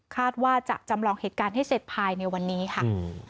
คาดว่าจะจำลองเหตุการณ์ให้เสร็จภายในวันนี้ค่ะ